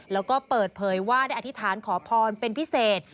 แล้วก็เปิดเผยว่าได้อธิษฐานขอพรเป็นพิเศษ